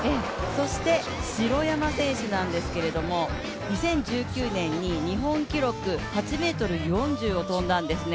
そして城山選手なんですけれども、２０１９年に日本記録８ｍ４０を跳んだんですね。